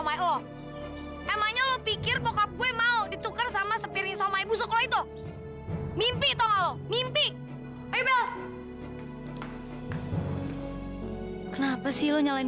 adrian itu lagi emosi